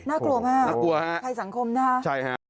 น่ากลัวมากฮะไทยสังคมนะฮะใช่ฮะ